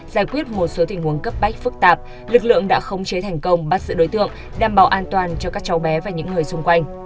giải quyết một số tình huống cấp bách phức tạp lực lượng đã khống chế thành công bắt giữ đối tượng đảm bảo an toàn cho các cháu bé và những người xung quanh